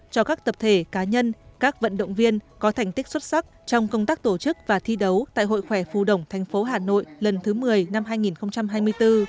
cho các tập thể cá nhân các vận động viên có thành tích xuất sắc trong công tác tổ chức và thi đấu tại hội khỏe phu đồng thành phố hà nội lần thứ một mươi năm hai nghìn hai mươi bốn